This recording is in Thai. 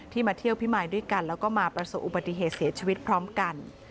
มาเที่ยวพิมายด้วยกันแล้วก็มาประสบอุบัติเหตุเสียชีวิตพร้อมกัน